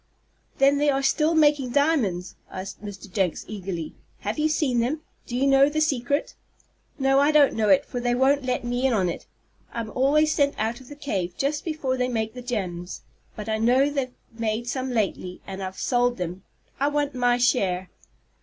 "Then they are still making diamonds?" asked Mr. Jenks, eagerly. "Have you seen them? Do you know the secret?" "No, I don't know it, for they won't let me in on it. I'm always sent out of the cave just before they make the gems. But I know they've made some lately, and have sold 'em. I want my share."